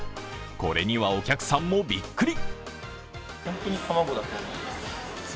これにはお客さんもびっくり。